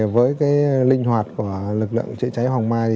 với linh hoạt của lực lượng chữa cháy hoàng mai